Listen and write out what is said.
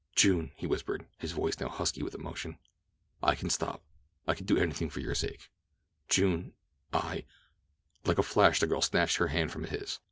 "June!" he whispered, his voice now husky with emotion. "I can stop—I can do anything for your sake. June, I—" Like a flash the girl snatched her hand from his.